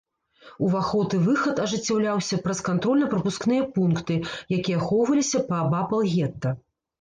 Уваход і выхад ажыццяўляўся праз кантрольна-прапускныя пункты, якія ахоўваліся паабапал гета.